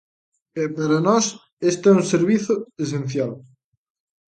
E para nós este é un servizo esencial.